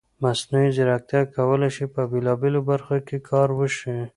مصنوعي ځیرکتیا کولی شي په بېلابېلو برخو کې کار وشي.